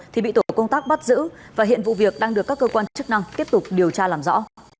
thì bị tổ công tác bắt giữ và hiện vụ việc đang được các cơ quan chức năng tiếp tục điều tra làm rõ